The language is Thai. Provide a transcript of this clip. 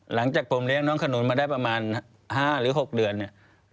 หลังจากผมเลี้ยงน้องขนุนมาได้ประมาณ๕หรือ๖เดือนเนี่ย